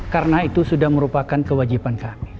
karena itu sudah merupakan kewajiban kami